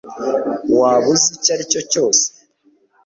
waba uzi icyo aricyo cyose